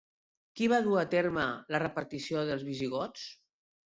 Qui va dur a terme la repartició dels visigots?